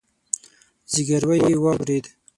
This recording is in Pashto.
ځګيروی يې واورېد.